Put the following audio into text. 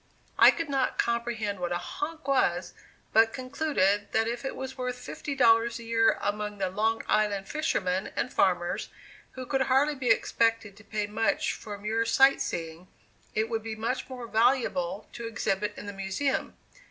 I could not comprehend what a "honk" was, but concluded that if it was worth fifty dollars a year among the Long Island fishermen and farmers who could hardly be expected to pay much for mere sight seeing, it would be much more valuable to exhibit in the Museum.